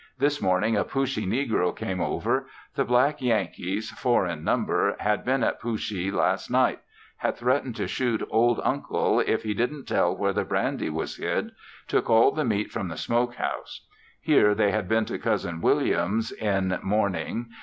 This morning a Pooshee negro came over. The black Yankees, four in number, had been at Pooshee last night; had threatened to shoot old Uncle if he didn't tell where the brandy was hid; took all the meat from the smoke house. Hear they had been to Cousin William's in morning.